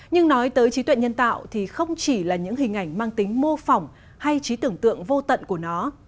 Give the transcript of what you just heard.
nhưng nói tới trí tuệ nhân tạo thì không chỉ là những hình ảnh mang tính mô phỏng hay trí tưởng tượng vô tận của nó